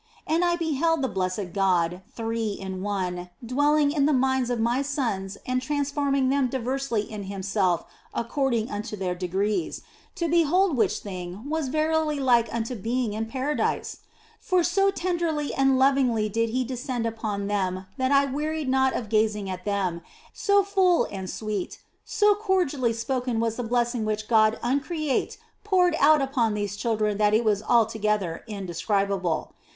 And I beheld the blessed God, Three in One, dwelling in the minds of my sons and transforming them diversely in Himself according unto their degrees, to behold which thing was verily like unto being in Paradise ! For so tenderly and lovingly did He descend upon them that I wearied not of gazing at them, and so full and sweet, so cordially spoken was the blessing which God Uncreate poured out upon these children that it is altogether indescribable.